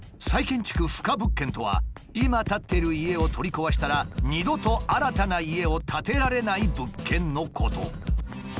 「再建築不可物件」とは今立っている家を取り壊したら二度と新たな家を建てられない物件のこと。